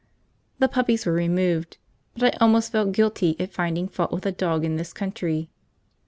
The puppies were removed, but I almost felt guilty at finding fault with a dog in this country.